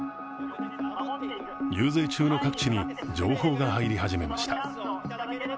遊説中の各地に情報が入り始めました。